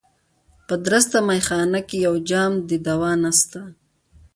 په درسته مېخانه کي یو جام د دوا نسته